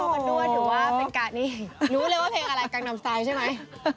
ยังรู้อะไรเพลงอะไรกางนามสายใช่มั้ย